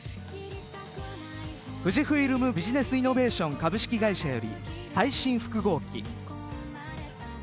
富士フイルムビジネスイノベーション株式会社より最新複合機。